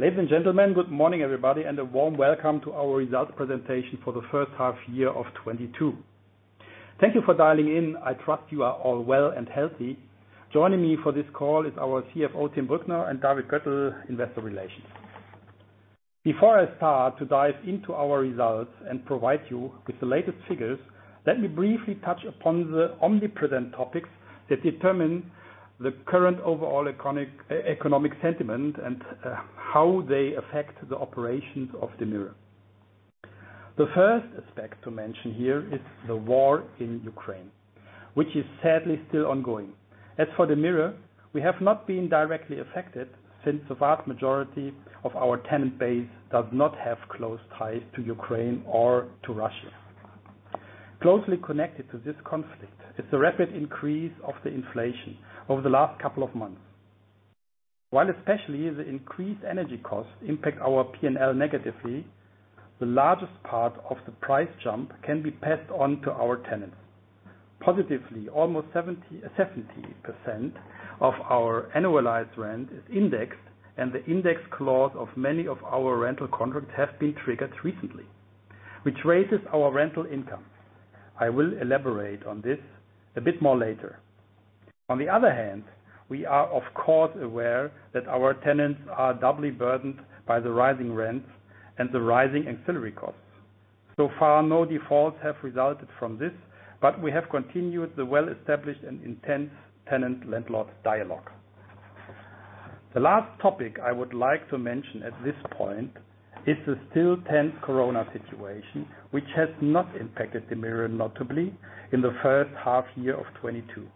Ladies and gentlemen, good morning, everybody, and a warm welcome to our results presentation for the first half year of 2022. Thank you for dialing in. I trust you are all well and healthy. Joining me for this call is our CFO, Tim Brückner, and David Göthel, Investor Relations. Before I start to dive into our results and provide you with the latest figures, let me briefly touch upon the omnipresent topics that determine the current overall economic sentiment and how they affect the operations of DEMIRE. The first aspect to mention here is the war in Ukraine, which is sadly still ongoing. As for DEMIRE, we have not been directly affected since the vast majority of our tenant base does not have close ties to Ukraine or to Russia. Closely connected to this conflict is the rapid increase of the inflation over the last couple of months. While especially the increased energy costs impact our P&L negatively, the largest part of the price jump can be passed on to our tenants. Positively, almost 70% of our annualized rent is indexed, and the index clause of many of our rental contracts has been triggered recently, which raises our rental income. I will elaborate on this a bit more later. On the other hand, we are of course aware that our tenants are doubly burdened by the rising rents and the rising ancillary costs. So far, no defaults have resulted from this, but we have continued the well-established and intense tenant-landlord dialogue. The last topic I would like to mention at this point is the still tense COVID-19 situation, which has not impacted DEMIRE notably in the first half year of 2022.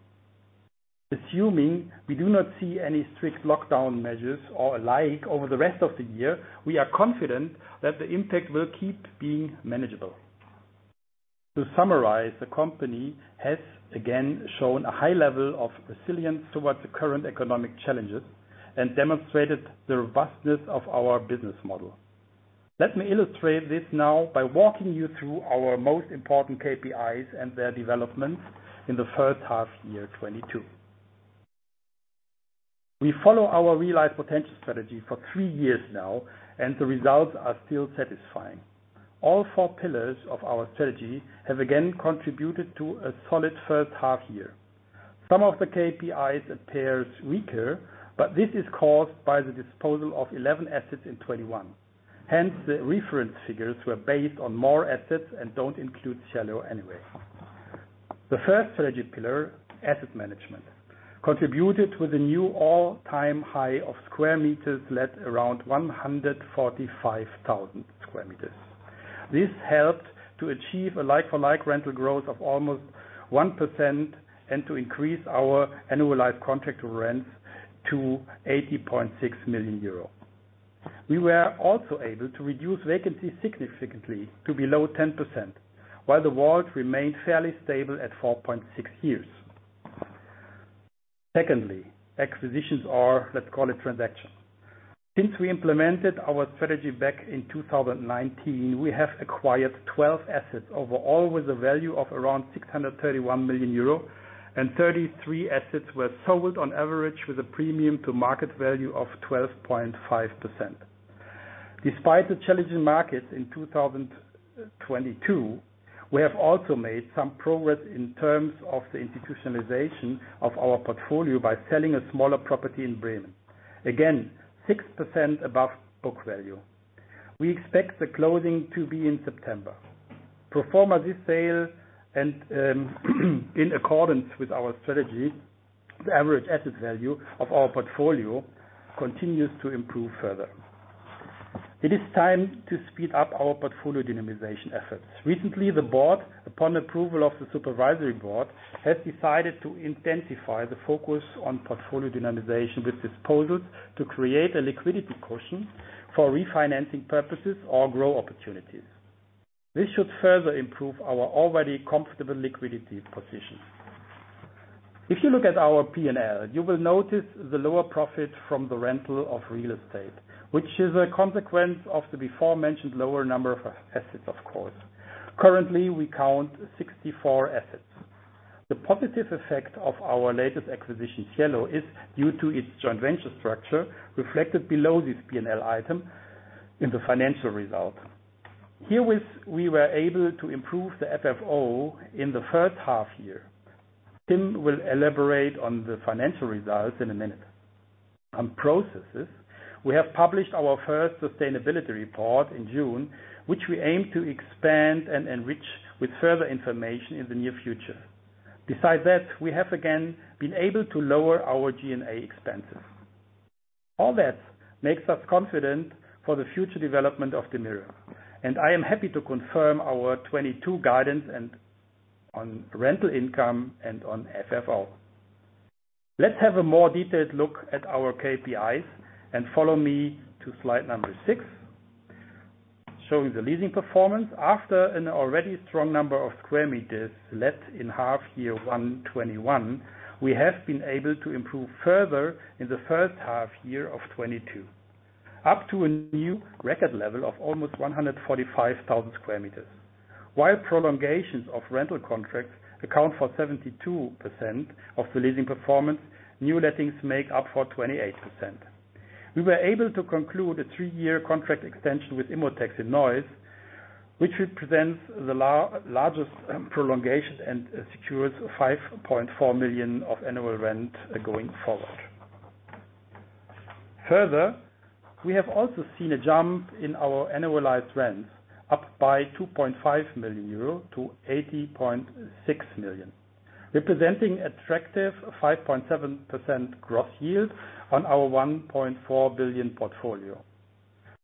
Assuming we do not see any strict lockdown measures or alike over the rest of the year, we are confident that the impact will keep being manageable. To summarize, the company has again shown a high level of resilience towards the current economic challenges and demonstrated the robustness of our business model. Let me illustrate this now by walking you through our most important KPIs and their developments in the first half year 2022. We follow our Realize Potential strategy for three years now, and the results are still satisfying. All four pillars of our strategy have again contributed to a solid first half year. Some of the KPIs appears weaker, but this is caused by the disposal of 11 assets in 2021. Hence, the reference figures were based on more assets and don't include Cielo anyway. The first strategy pillar, asset management, contributed with a new all-time high of square meters let around 145,000 square meters. This helped to achieve a like-for-like rental growth of almost 1% and to increase our annualized contract rents to 80.6 million euro. We were also able to reduce vacancy significantly to below 10%, while the WALT remained fairly stable at 4.6 years. Secondly, acquisitions are, let's call it transactions. Since we implemented our strategy back in 2019, we have acquired 12 assets overall with a value of around 631 million euro, and 33 assets were sold on average with a premium to market value of 12.5%. Despite the challenging markets in 2022, we have also made some progress in terms of the institutionalization of our portfolio by selling a smaller property in Bremen. Again, 6% above book value. We expect the closing to be in September. To perform at this sale and in accordance with our strategy, the average asset value of our portfolio continues to improve further. It is time to speed up our portfolio dynamization efforts. Recently, the board, upon approval of the supervisory board, has decided to intensify the focus on portfolio dynamization with disposals to create a liquidity cushion for refinancing purposes or grow opportunities. This should further improve our already comfortable liquidity position. If you look at our P&L, you will notice the lower profit from the rental of real estate, which is a consequence of the before mentioned lower number of assets, of course. Currently, we count 64 assets. The positive effect of our latest acquisition, Cielo, is due to its joint venture structure reflected below this P&L item in the financial result. Herewith, we were able to improve the FFO in the first half year. Tim will elaborate on the financial results in a minute. On processes, we have published our first sustainability report in June, which we aim to expand and enrich with further information in the near future. Besides that, we have again been able to lower our G&A expenses. All that makes us confident for the future development of DEMIRE, and I am happy to confirm our 2022 guidance and on rental income and on FFO. Let's have a more detailed look at our KPIs and follow me to slide 6, showing the leasing performance. After an already strong number of square meters let in half year 2021, we have been able to improve further in the first half year of 2022, up to a new record level of almost 145,000 square meters. While prolongations of rental contracts account for 72% of the leasing performance, new lettings make up for 28%. We were able to conclude a three-year contract extension with Imotex in Neuss, which represents the largest prolongation and secures 5.4 million of annual rent going forward. Further, we have also seen a jump in our annualized rents up by 2.5 million euro to 80.6 million, representing attractive 5.7% gross yield on our 1.4 billion portfolio.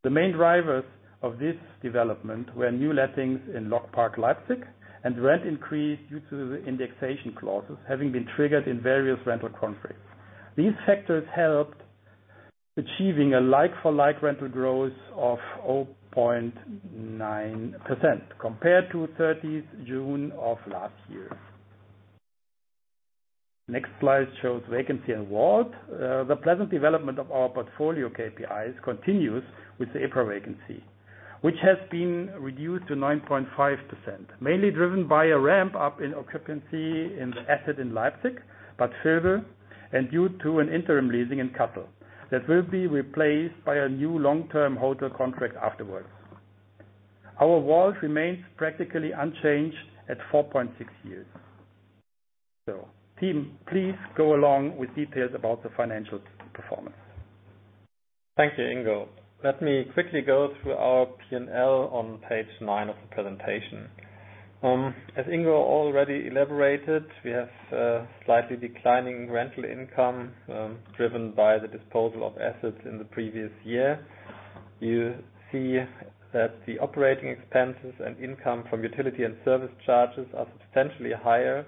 The main drivers of this development were new lettings in LogPark, Leipzig, and rent increase due to the indexation clauses having been triggered in various rental contracts. These factors helped achieving a like-for-like rental growth of 0.9% compared to 30th June of last year. Next slide shows vacancy and WALT. The pleasant development of our portfolio KPIs continues with April vacancy, which has been reduced to 9.5%, mainly driven by a ramp up in occupancy in the asset in Leipzig, but further, and due to an interim leasing in Kassel that will be replaced by a new long-term hotel contract afterwards. Our WALT remains practically unchanged at 4.6 years. Tim, please go along with details about the financial performance. Thank you, Ingo. Let me quickly go through our P&L on page 9 of the presentation. As Ingo already elaborated, we have slightly declining rental income, driven by the disposal of assets in the previous year. You see that the operating expenses and income from utility and service charges are substantially higher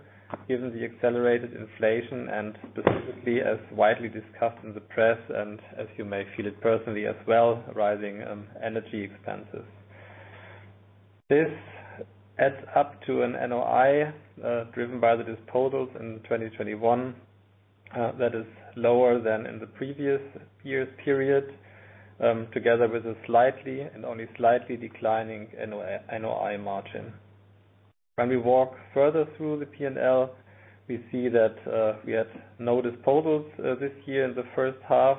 given the accelerated inflation and specifically as widely discussed in the press, and as you may feel it personally as well, rising energy expenses. This adds up to an NOI, driven by the disposals in 2021, that is lower than in the previous year's period, together with a slightly and only slightly declining NOI margin. When we walk further through the P&L, we see that we had no disposals this year in the first half.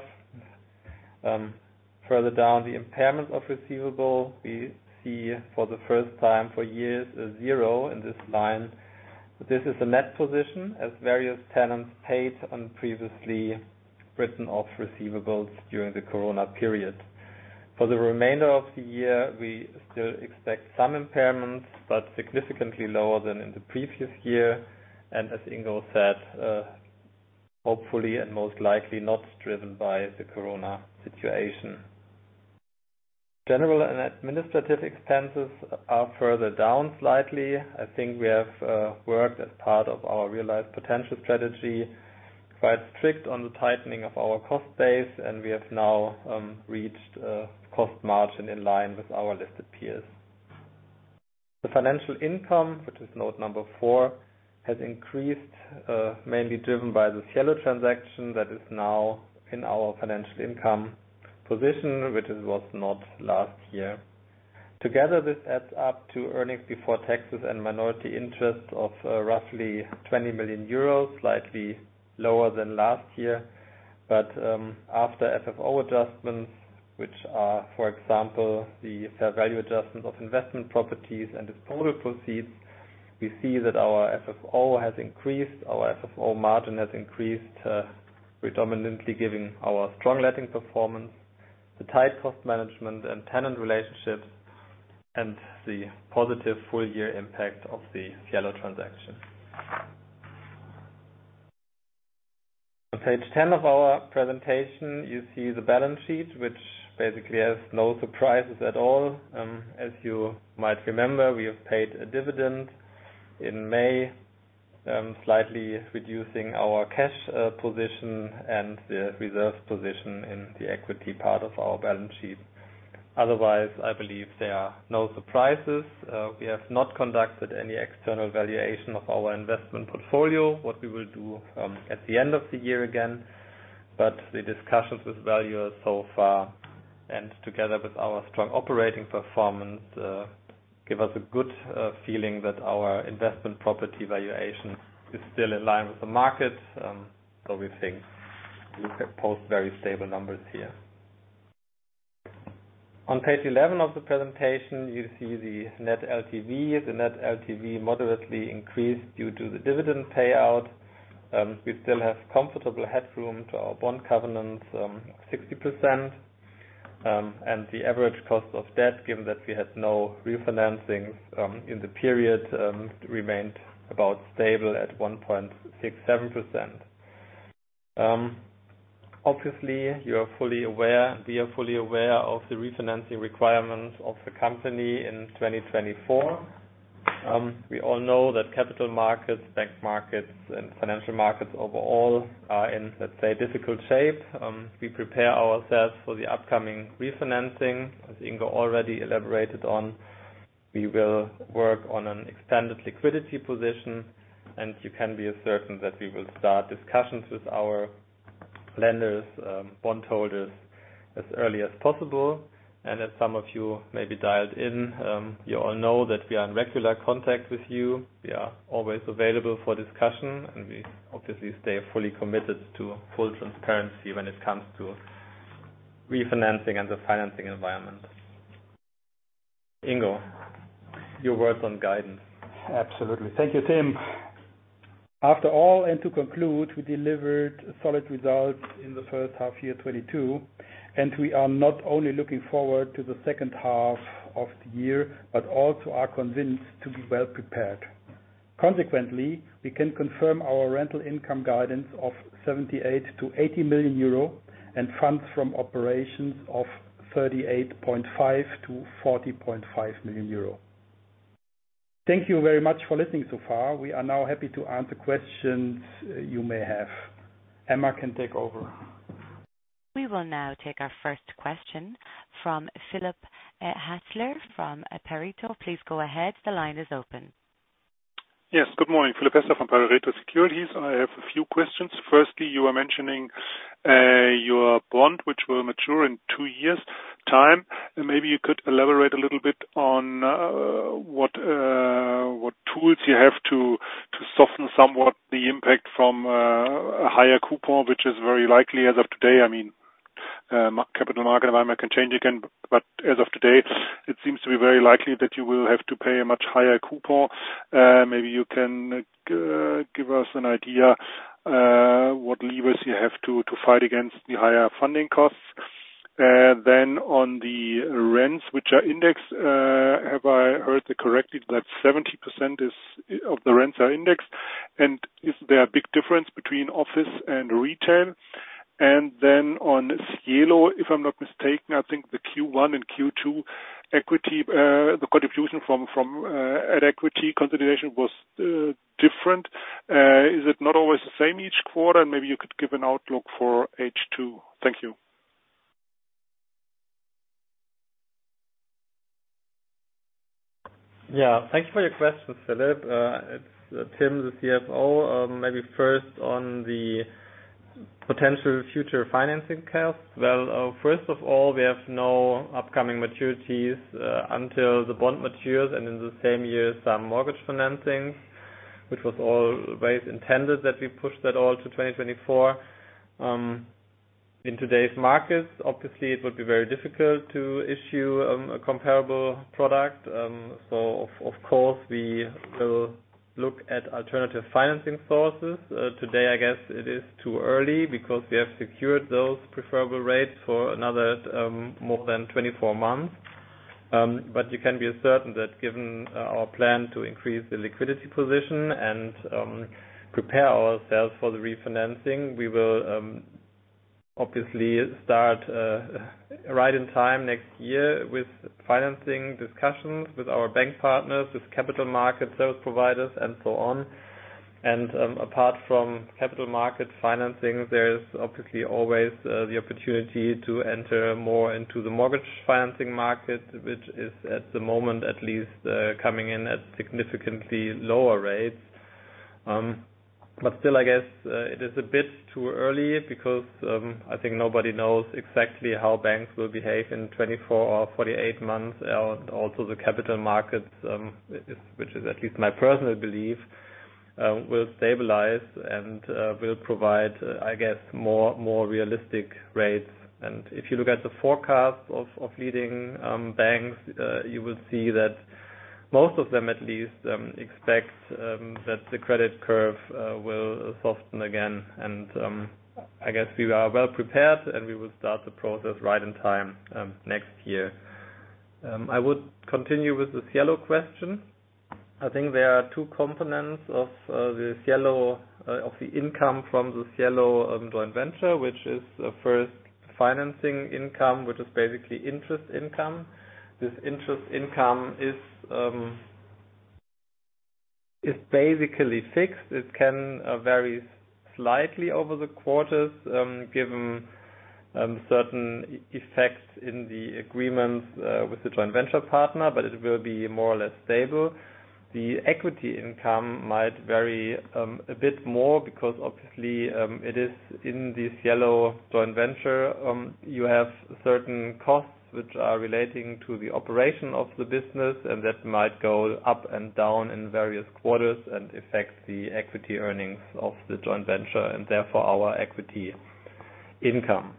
Further down the impairment of receivable, we see for the first time for years, a zero in this line. This is a net position as various tenants paid on previously written off receivables during the Corona period. For the remainder of the year, we still expect some impairments, but significantly lower than in the previous year. As Ingo said, hopefully and most likely not driven by the Corona situation. General and administrative expenses are further down slightly. I think we have worked as part of our Realize Potential strategy, quite strict on the tightening of our cost base, and we have now reached a cost margin in line with our listed peers. The financial income, which is note number, has increased, mainly driven by the Cielo transaction that is now in our financial income position, which it was not last year. Together, this adds up to earnings before taxes and minority interest of roughly 20 million euros, slightly lower than last year. After FFO adjustments, which are, for example, the fair value adjustments of investment properties and disposal proceeds, we see that our FFO has increased, our FFO margin has increased, predominantly giving our strong letting performance, the tight cost management and tenant relationships, and the positive full year impact of the Cielo transaction. On page 10 of our presentation, you see the balance sheet, which basically has no surprises at all. As you might remember, we have paid a dividend in May, slightly reducing our cash position and the reserve position in the equity part of our balance sheet. Otherwise, I believe there are no surprises. We have not conducted any external valuation of our investment portfolio. What we will do at the end of the year again, but the discussions with valuers so far and together with our strong operating performance give us a good feeling that our investment property valuation is still in line with the market. We think we post very stable numbers here. On page 11 of the presentation, you see the Net LTV. The Net LTV moderately increased due to the dividend payout. We still have comfortable headroom to our bond covenant 60%, and the average cost of debt, given that we had no refinancings in the period, remained about stable at 1.67%. Obviously, you are fully aware, we are fully aware of the refinancing requirements of the company in 2024. We all know that capital markets, bank markets and financial markets overall are in, let's say, difficult shape. We prepare ourselves for the upcoming refinancing. As Ingo already elaborated on, we will work on an extended liquidity position, and you can be certain that we will start discussions with our lenders, bondholders as early as possible. As some of you may be dialed in, you all know that we are in regular contact with you. We are always available for discussion, and we obviously stay fully committed to full transparency when it comes to refinancing and the financing environment. Ingo, your words on guidance. Absolutely. Thank you, Tim. After all, and to conclude, we delivered solid results in the first half year 2022, and we are not only looking forward to the second half of the year, but also are convinced to be well prepared. Consequently, we can confirm our rental income guidance of 78 million-80 million euro and funds from operations of 38.5 million-40.5 million euro. Thank you very much for listening so far. We are now happy to answer questions you may have. Emma can take over. We will now take our first question from Philipp Hätzler from Pareto. Please go ahead. The line is open. Yes. Good morning. Philipp Hätzler from Pareto Securities. I have a few questions. Firstly, you were mentioning your bond, which will mature in two years' time. Maybe you could elaborate a little bit on what tools you have to soften somewhat the impact from a higher coupon, which is very likely as of today. I mean, capital market environment can change again, but as of today, it seems to be very likely that you will have to pay a much higher coupon. Maybe you can give us an idea what levers you have to fight against the higher funding costs. Then on the rents which are indexed, have I heard that correctly that 70% of the rents are indexed? And is there a big difference between office and retail? On Cielo, if I'm not mistaken, I think the Q1 and Q2 equity, the contribution from at equity consolidation was different. Is it not always the same each quarter? Maybe you could give an outlook for H2. Thank you. Yeah. Thank you for your question, Philip. It's Tim, the CFO. Maybe first on the potential future financing costs. Well, first of all, we have no upcoming maturities until the bond matures and in the same year, some mortgage financing, which was always intended that we push that all to 2024. In today's markets, obviously it would be very difficult to issue a comparable product. So, of course, we will look at alternative financing sources. Today, I guess it is too early because we have secured those preferable rates for another more than 24 months. You can be certain that given our plan to increase the liquidity position and prepare ourselves for the refinancing, we will obviously start right in time next year with financing discussions with our bank partners, with capital market service providers and so on. Apart from capital market financing, there's obviously always the opportunity to enter more into the mortgage financing market, which is, at the moment at least, coming in at significantly lower rates. Still, I guess, it is a bit too early because I think nobody knows exactly how banks will behave in 24 or 48 months. The capital markets, which is at least my personal belief, will stabilize and will provide, I guess, more realistic rates. If you look at the forecast of leading banks, you will see that most of them at least expect that the credit curve will soften again. I guess we are well prepared, and we will start the process right in time next year. I would continue with the Cielo question. I think there are two components of the income from the Cielo joint venture, which is first financing income, which is basically interest income. This interest income is basically fixed. It can vary slightly over the quarters, given certain effects in the agreements with the joint venture partner, but it will be more or less stable. The equity income might vary a bit more because obviously it is in this Cielo joint venture you have certain costs which are relating to the operation of the business, and that might go up and down in various quarters and affect the equity earnings of the joint venture and therefore our equity income.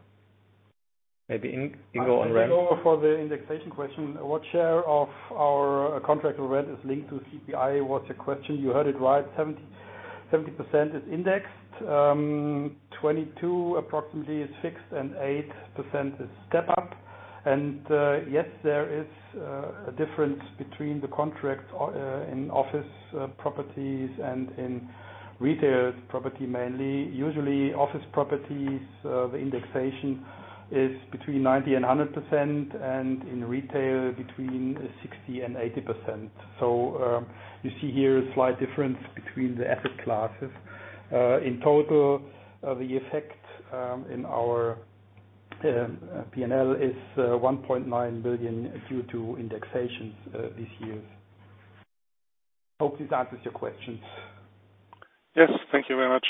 Maybe Ingo on rent. I take over for the indexation question. What share of our contract rent is linked to CPI was your question. You heard it right. 70% is indexed. 22 approximately is fixed, and 8% is step up. Yes, there is a difference between the contracts in office properties and in retail property mainly. Usually office properties the indexation is between 90%-100%, and in retail between 60%-80%. You see here a slight difference between the asset classes. In total the effect in our P&L is 1.9 million due to indexations this year. Hope this answers your question. Yes, thank you very much.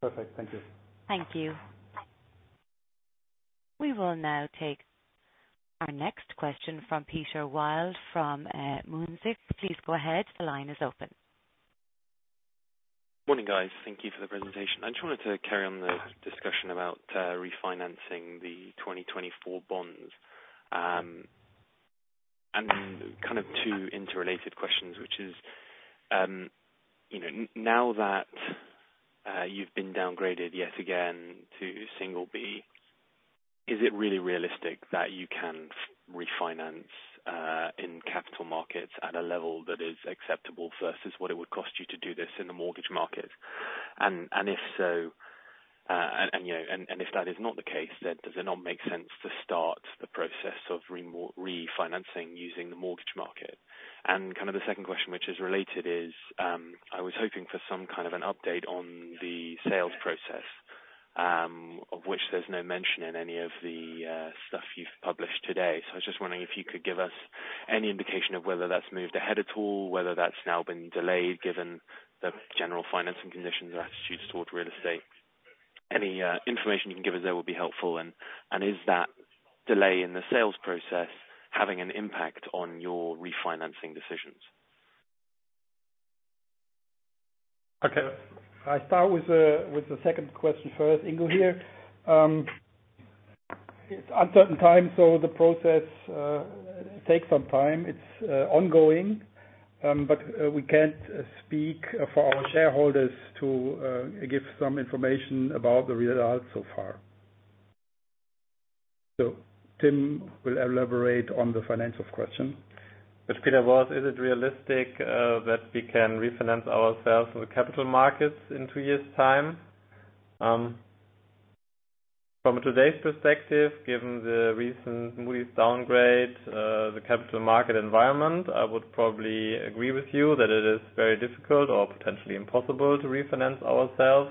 Perfect. Thank you. Thank you. We will now take our next question from Peter Wildek from Moonsik. Please go ahead. The line is open. Morning, guys. Thank you for the presentation. I just wanted to carry on the discussion about refinancing the 2024 bonds. Kind of two interrelated questions, which is, you know, now that you've been downgraded yet again to Single-B, is it really realistic that you can refinance in capital markets at a level that is acceptable versus what it would cost you to do this in the mortgage market? And if so, and, you know, if that is not the case, then does it not make sense to start the process of refinancing using the mortgage market? Kind of the second question, which is related is, I was hoping for some kind of an update on the sales process, of which there's no mention in any of the stuff you've published today. I was just wondering if you could give us any indication of whether that's moved ahead at all, whether that's now been delayed given the general financing conditions or attitudes towards real estate. Any, information you can give us there will be helpful. Is that delay in the sales process having an impact on your refinancing decisions? Okay. I start with the second question first. Ingo here. It's uncertain time, so the process takes some time. It's ongoing, but we can't speak for our shareholders to give some information about the results so far. Tim will elaborate on the financials question. Peter, is it realistic that we can refinance ourselves with capital markets in two years' time? From today's perspective, given the recent Moody's downgrade, the capital market environment, I would probably agree with you that it is very difficult or potentially impossible to refinance ourselves.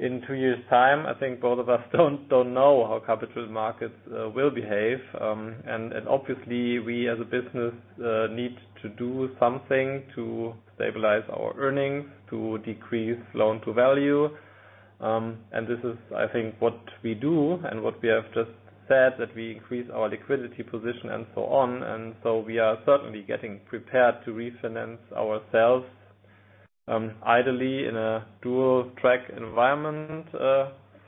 In two years' time, I think both of us don't know how capital markets will behave. Obviously we as a business need to do something to stabilize our earnings, to decrease loan-to-value. This is, I think, what we do and what we have just said, that we increase our liquidity position and so on. We are certainly getting prepared to refinance ourselves, ideally in a dual-track environment,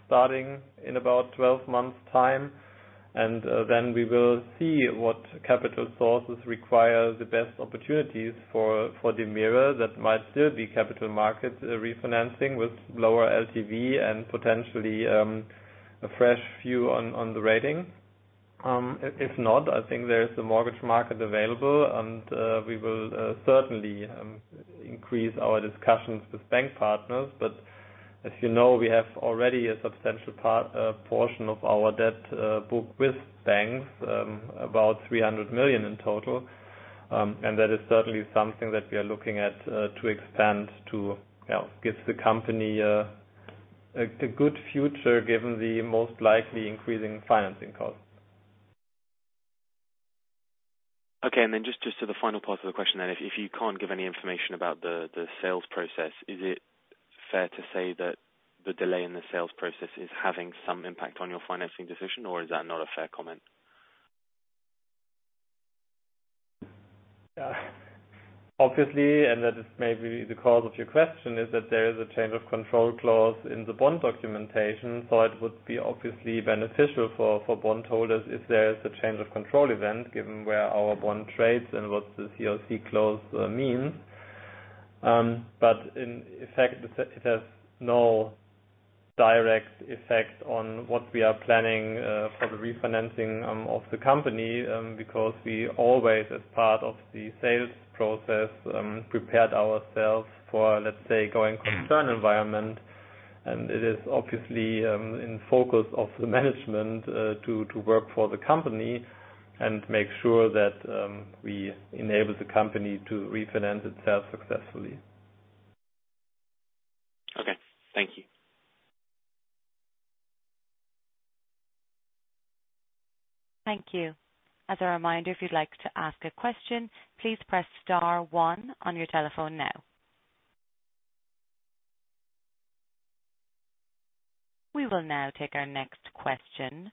starting in about 12 months' time. We will see what capital sources offer the best opportunities for DEMIRE that might still be capital market refinancing with lower LTV and potentially a fresh view on the rating. If not, I think there is the mortgage market available and we will certainly increase our discussions with bank partners. As you know, we have already a substantial portion of our debt book with banks, about 300 million in total. That is certainly something that we are looking at to expand to, you know, give the company a good future given the most likely increasing financing costs. Okay. Just to the final part of the question then. If you can't give any information about the sales process, is it fair to say that the delay in the sales process is having some impact on your financing decision, or is that not a fair comment? Obviously, that is maybe the cause of your question, is that there is a change of control clause in the bond documentation. It would be obviously beneficial for bond holders if there is a change of control event given where our bond trades and what the COC clause means. In effect, it has no direct effect on what we are planning for the refinancing of the company because we always, as part of the sales process, prepared ourselves for, let's say, going concern environment. It is obviously in focus of the management to work for the company and make sure that we enable the company to refinance itself successfully. Okay. Thank you. Thank you. As a reminder, if you'd like to ask a question, please press star one on your telephone now. We will now take our next question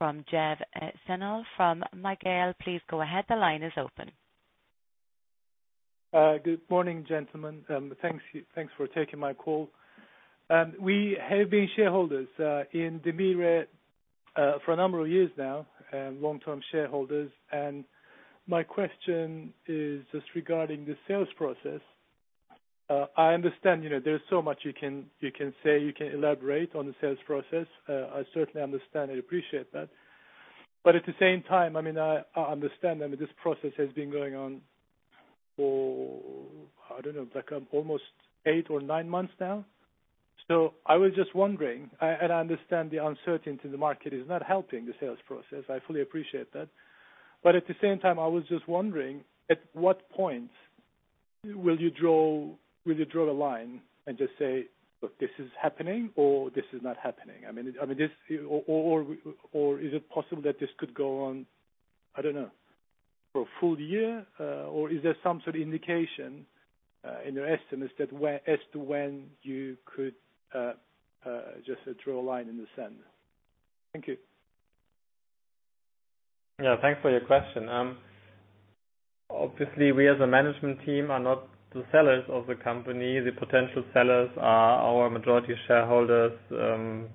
rom Geoff Smailes from Miguel. Please go ahead. The line is open. Good morning, gentlemen. Thanks for taking my call. We have been shareholders in DEMIRE for a number of years now, long-term shareholders. My question is just regarding the sales process. I understand, you know, there's so much you can say, you can elaborate on the sales process. I certainly understand and appreciate that. At the same time, I mean, I understand, this process has been going on for, I don't know, like, almost eight or nine months now. I was just wondering, and I understand the uncertainty in the market is not helping the sales process. I fully appreciate that. At the same time, I was just wondering at what point will you draw the line and just say, "Look, this is happening or this is not happening." I mean, this or is it possible that this could go on, I don't know, for a full year? Or is there some sort of indication in your estimates as to when you could just draw a line in the sand? Thank you. Yeah, thanks for your question. Obviously we as a management team are not the sellers of the company. The potential sellers are our majority shareholders,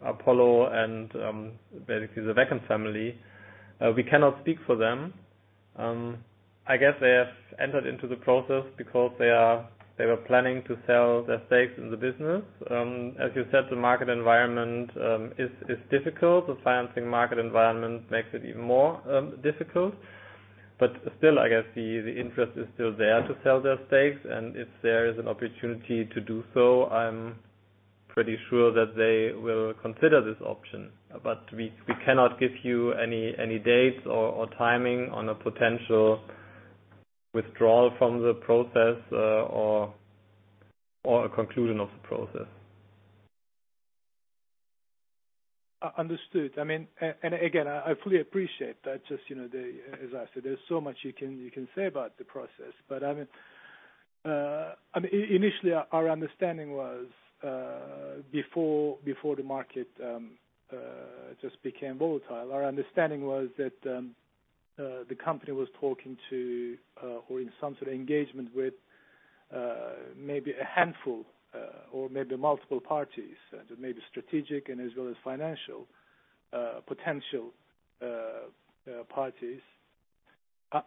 Apollo and basically the Wecken family. We cannot speak for them. I guess they have entered into the process because they were planning to sell their stakes in the business. As you said, the market environment is difficult. The financing market environment makes it even more difficult. Still, I guess the interest is still there to sell their stakes, and if there is an opportunity to do so, I'm pretty sure that they will consider this option. We cannot give you any dates or timing on a potential withdrawal from the process, or a conclusion of the process. Understood. I mean, and again, I fully appreciate that just, you know, as I said, there's so much you can say about the process. I mean, initially our understanding was, before the market just became volatile, our understanding was that the company was talking to or in some sort of engagement with maybe a handful or maybe multiple parties, maybe strategic and as well as financial potential parties.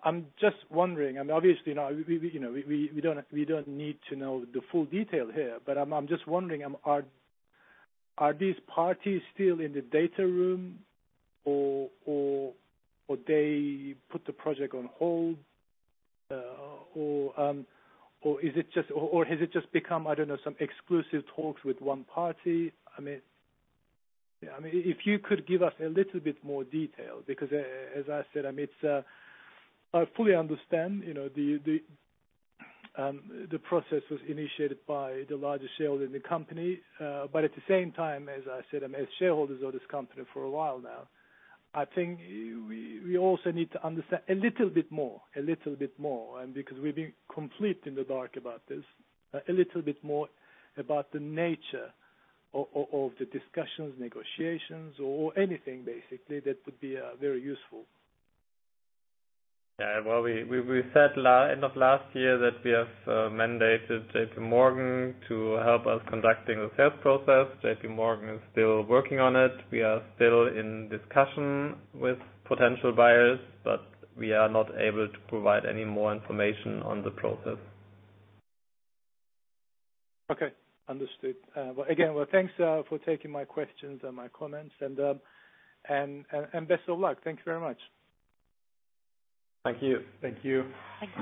I'm just wondering, I mean, obviously now we, you know, we don't need to know the full detail here. I'm just wondering, are these parties still in the data room or they put the project on hold or is it just. Has it just become, I don't know, some exclusive talks with one party? I mean, yeah. I mean, if you could give us a little bit more detail, because as I said, I mean, it's, I fully understand, you know, the process was initiated by the largest shareholder in the company. At the same time, as I said, I'm a shareholder of this company for a while now. I think we also need to understand a little bit more, because we've been completely in the dark about this. A little bit more about the nature of the discussions, negotiations or anything basically that would be very useful. Well, we said end of last year that we have mandated JP Morgan to help us conducting the sales process. JP Morgan is still working on it. We are still in discussion with potential buyers, but we are not able to provide any more information on the process. Okay, understood. Well, again, well, thanks for taking my questions and my comments and best of luck. Thank you very much. Thank you. Thank you. Thanks.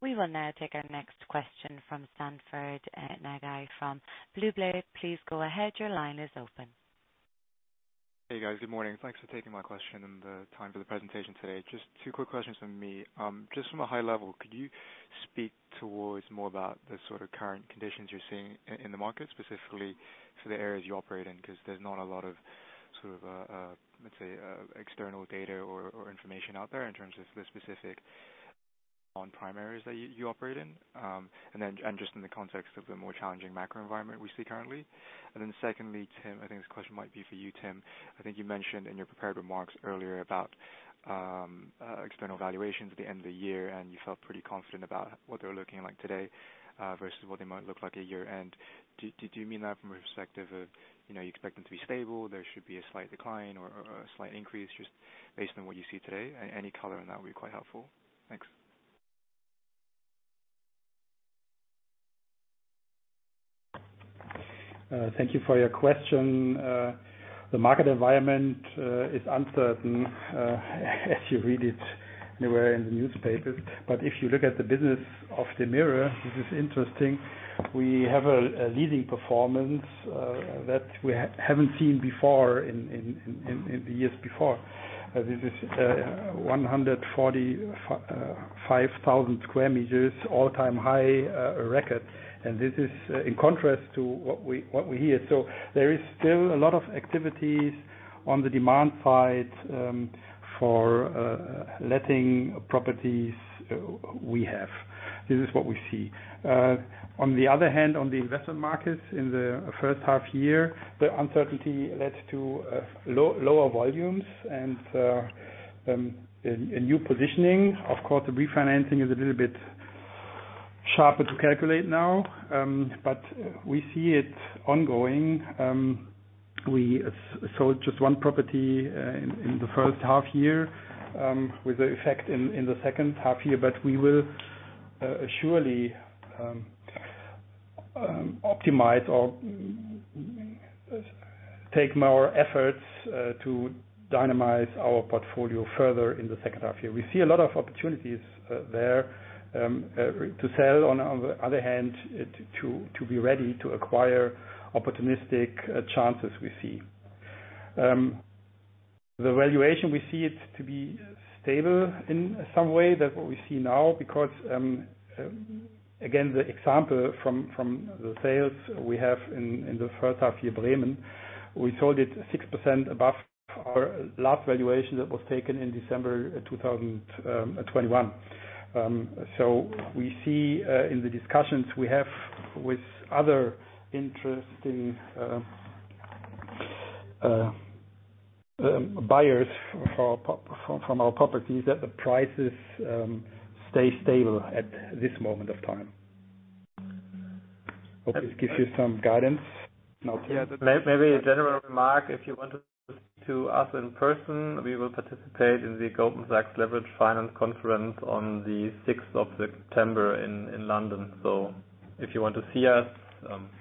We will now take our next question from Sanford Nagai from BlueBay. Please go ahead. Your line is open. Hey, guys. Good morning. Thanks for taking my question and the time for the presentation today. Just two quick questions from me. Just from a high level, could you speak towards more about the sort of current conditions you're seeing in the market, specifically for the areas you operate in? 'Cause there's not a lot of, sort of, let's say, external data or information out there in terms of the specifics on non-primaries that you operate in. Just in the context of the more challenging macro environment we see currently. Secondly, Tim, I think this question might be for you, Tim. I think you mentioned in your prepared remarks earlier about external valuations at the end of the year, and you felt pretty confident about what they're looking like today versus what they might look like at year-end. Do you mean that from a perspective of, you know, you expect them to be stable, there should be a slight decline or a slight increase just based on what you see today? Any color on that would be quite helpful. Thanks. Thank you for your question. The market environment is uncertain, as you read it anywhere in the newspapers. If you look at the business of DEMIRE, this is interesting. We have a leading performance that we haven't seen before in the years before. This is 145,000 square meters all-time high record. This is in contrast to what we hear. There is still a lot of activities on the demand side for letting properties we have. This is what we see. On the other hand, on the investment markets in the first half year, the uncertainty led to lower volumes and a new positioning. Of course, the refinancing is a little bit sharper to calculate now, but we see it ongoing. We sold just one property in the first half year with the effect in the second half year. We will surely optimize or take more efforts to dynamize our portfolio further in the second half year. We see a lot of opportunities there to sell, on the other hand, to be ready to acquire opportunistic chances we see. The valuation, we see it to be stable in some way. That's what we see now, because again, the example from the sales we have in the first half year, Bremen, we sold it 6% above our last valuation that was taken in December 2021. We see in the discussions we have with other interesting buyers for our properties that the prices stay stable at this moment of time. Hope this gives you some guidance. Yeah. Maybe a general remark, if you want to speak to us in person, we will participate in the Goldman Sachs Leveraged Finance Conference on the sixth of September in London. If you want to see us,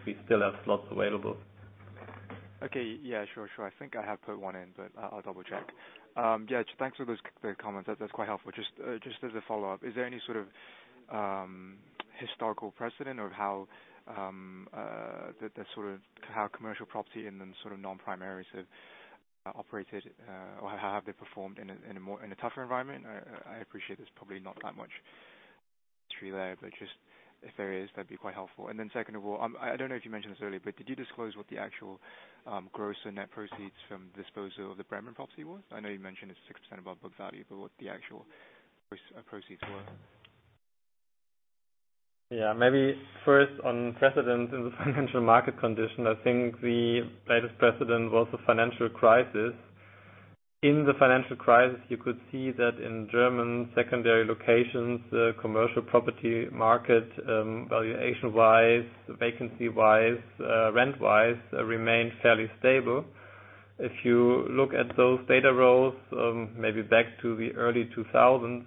we still have slots available. Okay. Yeah, sure. I think I have put one in, but I'll double check. Yeah, thanks for those comments. That's quite helpful. Just as a follow-up, is there any sort of historical precedent of how commercial property and then sort of non-primary sort of operated, or how have they performed in a tougher environment? I appreciate there's probably not that much history there, but just if there is, that'd be quite helpful. Second of all, I don't know if you mentioned this earlier, but did you disclose what the actual gross and net proceeds from disposal of the Bremen property was? I know you mentioned it's 6% above book value, but what the actual proceeds were. Yeah, maybe first on precedent in the financial market condition. I think the latest precedent was the financial crisis. In the financial crisis, you could see that in German secondary locations, the commercial property market, valuation-wise, vacancy-wise, rent-wise, remained fairly stable. If you look at those data rows, maybe back to the early 2000s,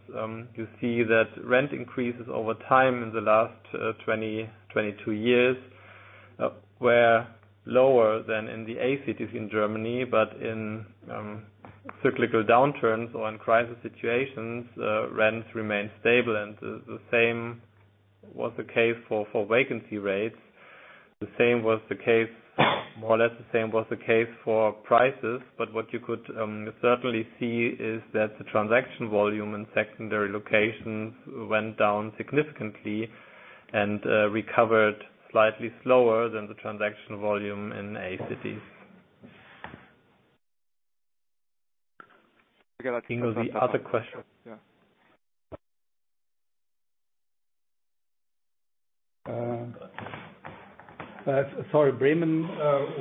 you see that rent increases over time in the last 22 years were lower than in the A cities in Germany. In cyclical downturns or in crisis situations, rents remained stable. The same was the case for vacancy rates. The same was the case, more or less, for prices. What you could certainly see is that the transaction volume in secondary locations went down significantly and recovered slightly slower than the transaction volume in A cities. I think that was the other question. Yeah. Sorry, Bremen,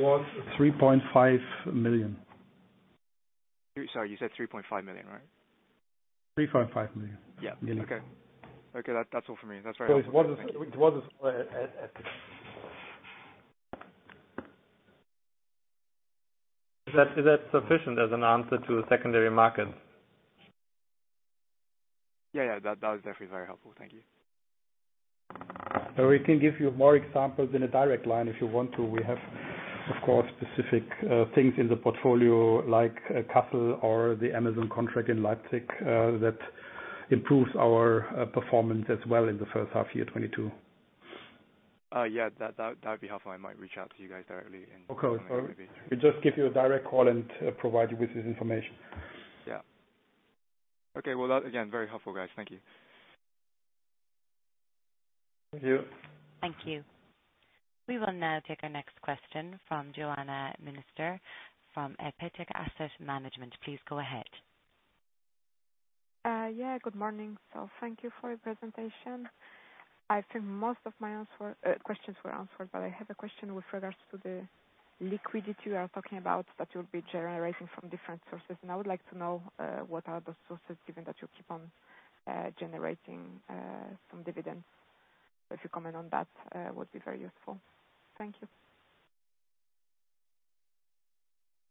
was 3.5 million. Sorry, you said 3.5 million, right? 3.5 million. Yeah. Okay. Okay, that's all for me. That's very helpful. It was at Is that sufficient as an answer to the secondary market? Yeah. That was definitely very helpful. Thank you. We can give you more examples in a direct line if you want to. We have, of course, specific things in the portfolio like Kassel or the Amazon contract in Leipzig that improves our performance as well in the first half year 2022. Yeah, that'd be helpful. I might reach out to you guys directly and Okay. We just give you a direct call and provide you with this information. Yeah. Okay. Well, that again, very helpful, guys. Thank you. Thank you. Thank you. We will now take our next question from Joanna Mlynarczyk from Apetek Asset Management. Please go ahead. Yeah, good morning. Thank you for your presentation. I think most of my questions were answered, but I have a question with regards to the liquidity you are talking about that you'll be generating from different sources. I would like to know what are those sources, given that you keep on generating some dividends. If you comment on that, would be very useful. Thank you.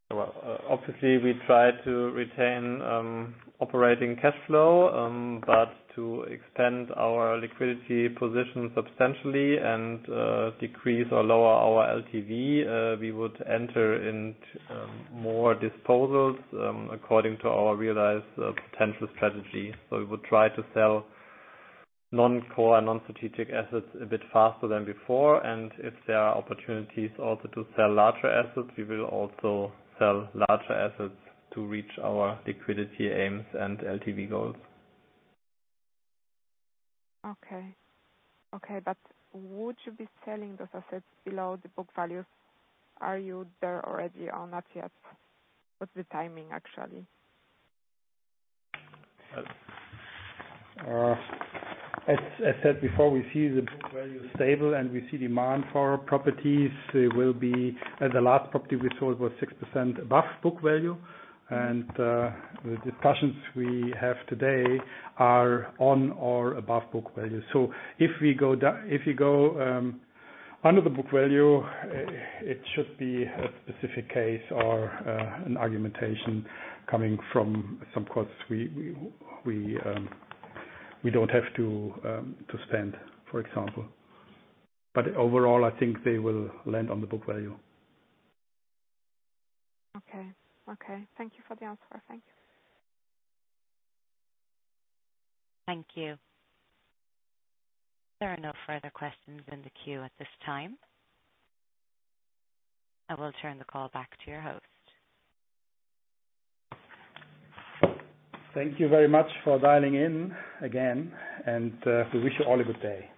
Well, obviously, we try to retain operating cash flow, but to extend our liquidity position substantially and decrease or lower our LTV, we would enter into more disposals according to our REALIZE POTENTIAL strategy. We would try to sell non-core and non-strategic assets a bit faster than before. If there are opportunities also to sell larger assets, we will also sell larger assets to reach our liquidity aims and LTV goals. Okay. Would you be selling those assets below the book values? Are you there already or not yet? What's the timing, actually? As said before, we see the book value stable, and we see demand for our properties will be. The last property we sold was 6% above book value. The discussions we have today are on or above book value. If you go under the book value, it should be a specific case or an argumentation coming from some costs we don't have to spend, for example. Overall, I think they will land on the book value. Okay. Thank you for the answer. Thank you. Thank you. There are no further questions in the queue at this time. I will turn the call back to your host. Thank you very much for dialing in again, and we wish you all a good day.